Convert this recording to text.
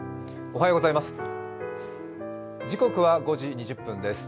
おはようございます。